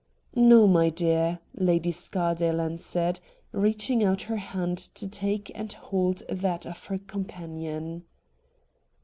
' No, my dear,' Lady Scardale answered, reaching out her hand to take and hold that of her companion.